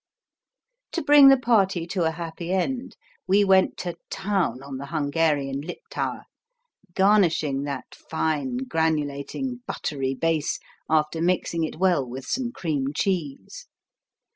To bring the party to a happy end, we went to town on the Hungarian Liptauer, garnishing that fine, granulating buttery base after mixing it well with some cream cheese.